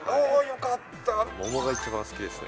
桃が一番好きですね。